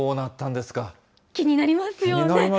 気になりますよね。